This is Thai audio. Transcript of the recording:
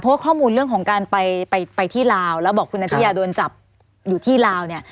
เพราะว่าข้อมูลเรื่องของการไปที่ลาวแล้วบอกคุณนัทยาโดนจับอยู่ที่ลาวเนี่ย